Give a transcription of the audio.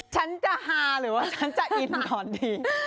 ฉันจะฮาหรือว่าฉันจะอินก่อนดี